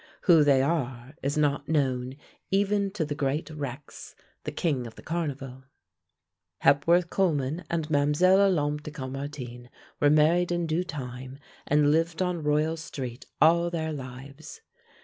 Who they are is not known even to the great Rex, the king of the Carnival. Hepworth Coleman and Mlle. Olympe de Caumartin were married in due time and lived on Royal Street all their lives.